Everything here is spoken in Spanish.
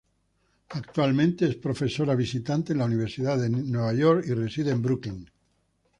Actualmente es profesora visitante en la Universidad de Nueva York y reside en Brooklyn.